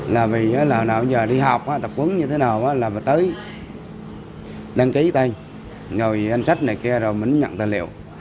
là vì lần nào giờ đi học tập huấn như thế nào là tới đăng ký tên rồi anh sách này kia rồi mình nhận tài liệu